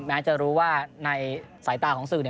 แม้จะรู้ว่าในสายตาของสื่อ